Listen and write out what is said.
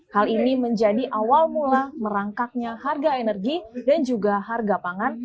hal ini menjadi awal mula merangkaknya harga energi dan juga harga pangan